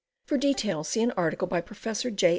(For details, see an article by Prof. J.